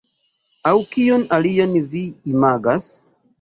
Aŭ kion alian vi imagas?